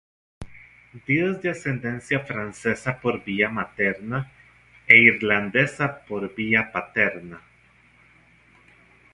Dido es de ascendencia francesa por vía materna e irlandesa por vía paterna.